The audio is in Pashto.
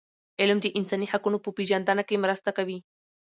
علم د انساني حقونو په پېژندنه کي مرسته کوي.